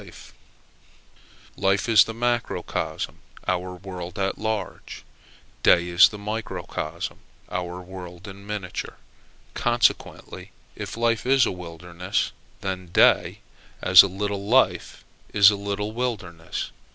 Life is the macrocosm, or world at large; day is the microcosm, or world in miniature. Consequently, if life is a wilderness, then day, as a little life, is a little wilderness.